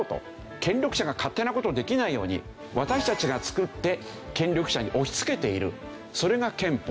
権力者が勝手な事をできないように私たちがつくって権力者に押しつけているそれが憲法。